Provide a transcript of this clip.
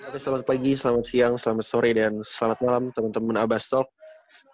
selamat pagi selamat siang selamat sore dan selamat malam temen temen abastalk